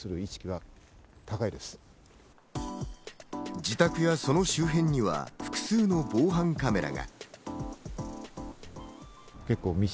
自宅やその周辺には複数の防犯カメラが。